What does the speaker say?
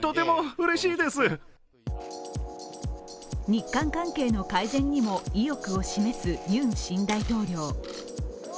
日韓関係の改善にも意欲を示すユン新大統領。